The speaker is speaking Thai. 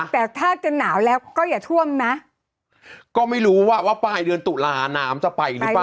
แต่ถ้าจะหนาวแล้วก็อย่าท่วมนะก็ไม่รู้ว่าว่าปลายเดือนตุลาน้ำจะไปหรือเปล่า